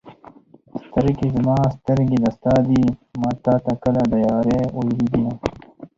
سترګې زما سترګې دا ستا دي ما تا ته کله د يارۍ ویلي دینه